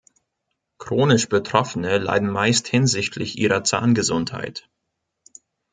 Chronisch Betroffene leiden meist hinsichtlich ihrer Zahngesundheit.